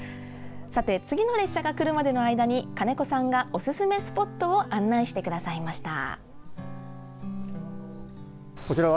次の列車が来るまでの間に金子さんが、おすすめスポットを案内してくださいました。